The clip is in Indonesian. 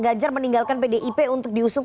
ganjar meninggalkan pdip untuk diusung